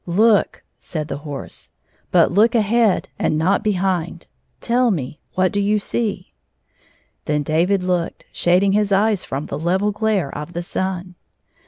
" Look !" said the horse. " But look ahead and not behind. Tell me, what do you see 1 " Then David looked, shading his eyes from the level glare of the sun.